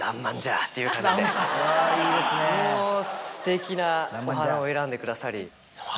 もうすてきなお花を選んでくださり。